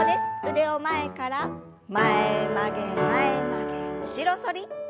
腕を前から前曲げ前曲げ後ろ反り。